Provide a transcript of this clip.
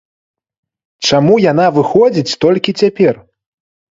Чаму яна выходзіць толькі цяпер?